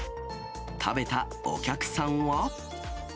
食べたお客さんは。